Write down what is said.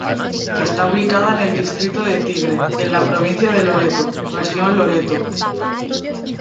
Esta ubicada en el distrito de Tigre en la provincia de Loreto, región Loreto.